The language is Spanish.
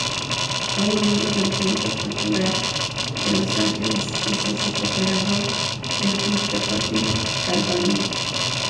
Fue miembro del Centro Cultural de Los Ángeles y socio-cooperador del Club Deportivo Galvarino.